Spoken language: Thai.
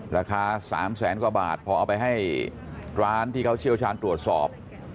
ราคา๓แสนกว่าบาทพอเอาไปให้ร้านที่เขาเชี่ยวชาญตรวจสอบ